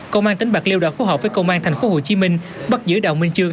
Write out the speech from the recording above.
công an tỉnh bạc liêu đã phối hợp với công an thành phố hồ chí minh bắt giữ đào minh chương